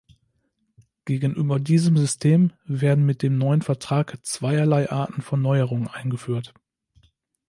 Gegenüber diesem System werden mit dem neuen Vertrag zweierlei Arten von Neuerungen eingeführt.